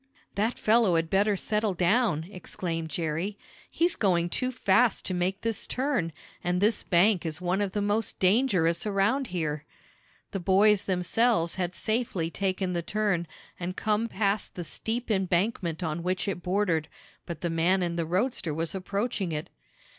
"That fellow had better settle down!" exclaimed Jerry. "He's going too fast to make this turn, and this bank is one of the most dangerous around here." The boys themselves had safely taken the turn, and come past the steep embankment on which it bordered, but the man in the roadster was approaching it.